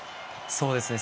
そうですね。